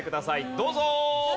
どうぞ！